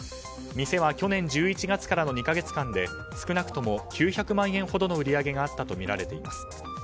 店は去年１１月からの２か月間で少なくとも９００万円ほどの売り上げがあったとみられています。